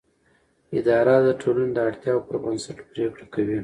اداره د ټولنې د اړتیاوو پر بنسټ پریکړه کوي.